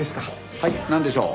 はいなんでしょう？